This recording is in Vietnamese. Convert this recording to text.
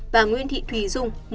và nguyễn thị thùy dung